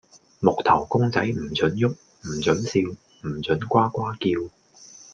木頭公仔唔准郁，唔准笑，唔准呱呱叫